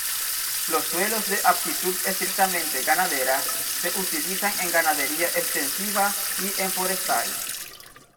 Los suelos de aptitud estrictamente ganadera se utilizan en ganadería extensiva y en forestal.